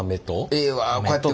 ええわこうやって。